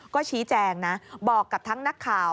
ก็ชี้แจงนะบอกกับทั้งนักข่าว